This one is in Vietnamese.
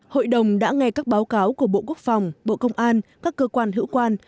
hội đồng đã nghe các báo cáo của bộ quốc phòng bộ công an các cơ quan hữu quan